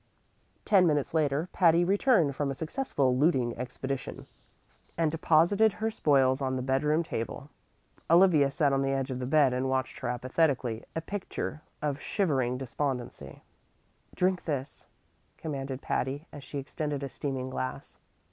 Ten minutes later Patty returned from a successful looting expedition, and deposited her spoils on the bedroom table. Olivia sat on the edge of the bed and watched her apathetically, a picture of shivering despondency. "Drink this," commanded Patty, as she extended a steaming glass.